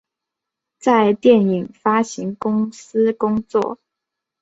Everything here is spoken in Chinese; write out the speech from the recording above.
在电影发行公司工作。